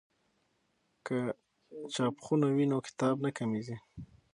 که چاپخونه وي نو کتاب نه کمېږي.